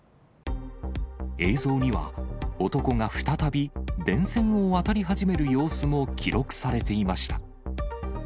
映像には男が再び、電線を渡り始める様子も記録されていました。